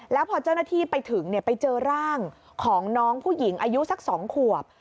แล้วพอเจ้าหน้าที่ไปถึงไปเจอร่างของน้องผู้หญิงอายุสัก๒ขวบ